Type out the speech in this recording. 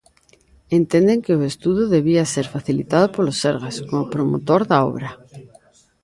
Entenden que o estudo debía ser facilitado polo Sergas como promotor da obra.